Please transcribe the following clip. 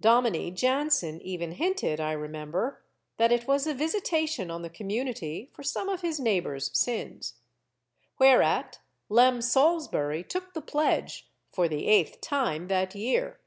Dominie Jansen even hinted, I remember, that it was a visitation on the community for some of his neigh bors* sins. Whereat, Lem Saulsbury took the pledge for the eighth time that year.